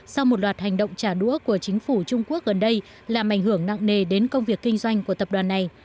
sau một loạt hành động trả đũa của chính phủ trung quốc gần đây làm ảnh hưởng nặng nề đến công việc kinh doanh của tập đoàn này